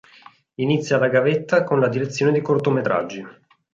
Inizia la gavetta con la direzione di cortometraggi.